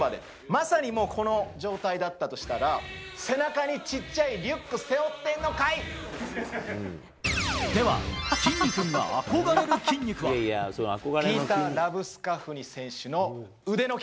まさにもうこの状態だったとしたら、背中にちっちゃいリュック背では、きんに君の憧れる筋肉ピーター・ラブスカフニ選手